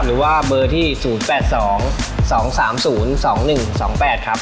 หรือว่าเบอร์ที่๐๘๒๒๓๐๒๑๒๘ครับ